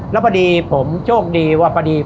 แล้วพอดีผมโชคดีว่าพอดี